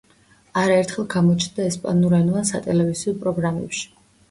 არაერთხელ გამოჩნდა ესპანურენოვან სატელევიზიო პროგრამებში.